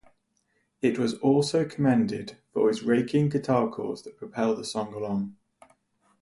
It was also commended for its raking guitar chords that propel the song along.